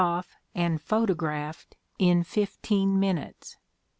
off and photographed in fifteen min utes."